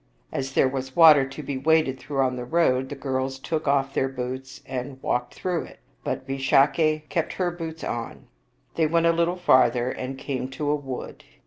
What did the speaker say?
As there was water to be waded through on the road, the girls took off their boots and walked through it, but Visakha kept her boots on. They went a little farther and came to a wood.